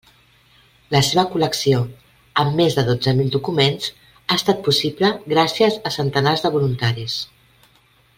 La seva col·lecció amb més de dotze mil documents, ha estat possible gràcies a centenars de voluntaris.